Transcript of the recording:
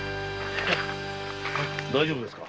大丈夫ですか？